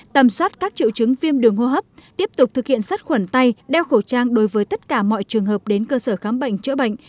tầm soát các triệu chứng viêm đường hô hấp tiếp tục thực hiện sắt khuẩn tay đeo khẩu trang đối với tất cả mọi trường hợp đến cơ sở khám bệnh chữa bệnh